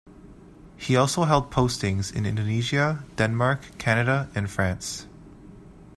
He also held postings in Indonesia, Denmark, Canada and France.